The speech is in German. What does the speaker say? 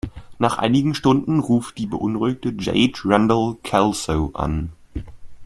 Nach einigen Stunden ruft die beunruhigte Jade Randall Kelso an.